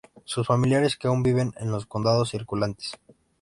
Sus familiares que aún viven en los condados circundantes.